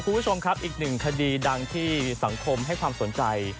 คุณผู้ชมครับอีกหนึ่งคดีดังที่สังคมให้ความสนใจ